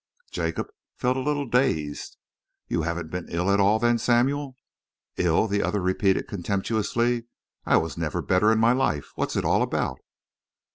Jacob felt a little dazed. "You haven't been ill at all then, Samuel?" "Ill?" the other repeated contemptuously. "I was never better in my life. What's it all about?"